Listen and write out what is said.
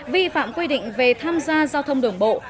vi phạm quy định về tham gia giao thông đường bộ